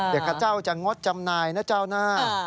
เดี๋ยวกับเจ้าจะงดจำหน่ายนะเจ้านะ